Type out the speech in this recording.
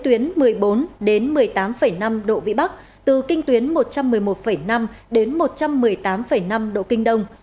từ cấp tám trở lên từ vị tuyến một mươi bốn một mươi tám năm độ vĩ bắc từ kinh tuyến một trăm một mươi một năm một trăm một mươi tám năm độ kinh đông